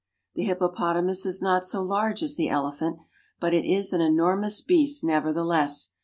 The hippopotamus is not so large as the elephant, but it is an enormous beast nevertheless.